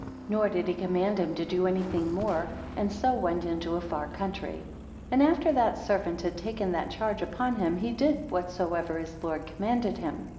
Nor did he command him to do any thing more; and so went into a far country. 11 And after that servant had taken that charge upon him, he did whatsoever his lord commanded him.